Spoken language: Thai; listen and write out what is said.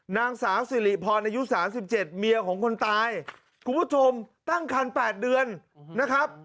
นางสาวสิริพรอายุ๓๗เมียของคนตายคุณผู้ชมตั้งคัน๘เดือนนะครับ